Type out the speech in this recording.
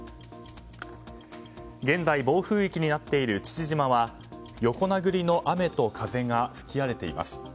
現在、暴風域となっている父島は横殴りの雨と風が吹き荒れています。